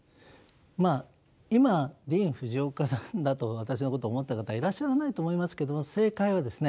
まあ今ディーン・フジオカさんだと私のことを思った方はいらっしゃらないと思いますけども正解はですね